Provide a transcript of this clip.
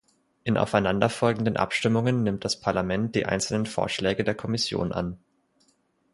In aufeinanderfolgenden Abstimmungen nimmt das Parlament die einzelnen Vorschläge der Kommission an.